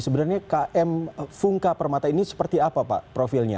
sebenarnya km fungka permata ini seperti apa pak profilnya